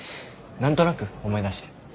何となく思い出して。